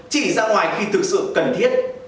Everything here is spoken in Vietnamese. chỉ ra ngoài khi thực sự cần thiết